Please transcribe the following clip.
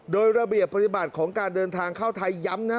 โดยระเบียบปฏิบัติของการเดินทางเข้าไทยย้ำนะ